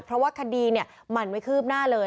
เพราะว่าคดีเนี่ยหมั่นไว้คืบหน้าเลย